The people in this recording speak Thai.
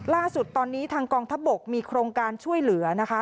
ล่าสุดตอนนี้ทางกองทัพบกมีโครงการช่วยเหลือนะคะ